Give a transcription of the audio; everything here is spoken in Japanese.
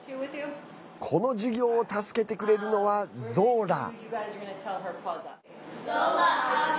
この授業を助けてくれるのはゾーラ。